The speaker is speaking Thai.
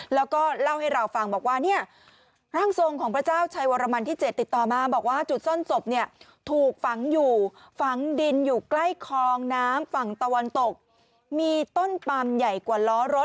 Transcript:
แล้วก็เล่าให้เราฟังบอกว่าเนี่ยร่างทรงของพระเจ้าชัยวรมันที่๗ติดต่อมาบอกว่าจุดซ่อนศพเนี่ยถูกฝังอยู่ฝังดินอยู่ใกล้คลองน้ำฝั่งตะวันตกมีต้นปามใหญ่กว่าล้อรถ